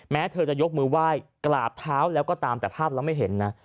แม้เธอจะยกมือไหว้กราบเท้าแล้วก็ตามแต่ภาพเราไม่เห็นนะ